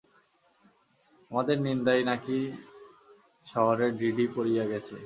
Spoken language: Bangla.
আমাদের নিন্দায় নাকি শহরে ঢিঢি পড়িয়া গেছে।